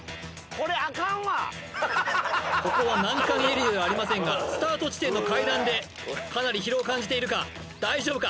ここは難関エリアではありませんがスタート地点の階段でかなり疲労を感じているか大丈夫か？